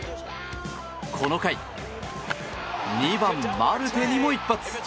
この回２番、マルテにも一発。